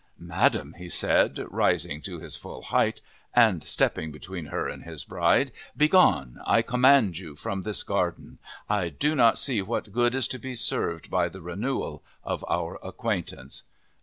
"Madam," he said, rising to his full height and stepping between her and his bride, "begone, I command you, from this garden. I do not see what good is to be served by the renewal of our acquaintance."